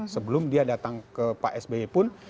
sebelum dia datang ke pak sby pun